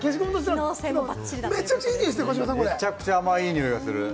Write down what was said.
めちゃくちゃいい匂いしますね。